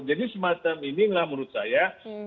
jadi semacam inilah menurut saya